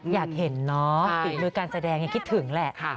อยากเห็นเนาะฝีมือการแสดงยังคิดถึงแหละ